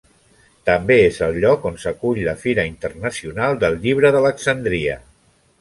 També és el lloc on s'acull la Fira Internacional del Llibre d'Alexandria.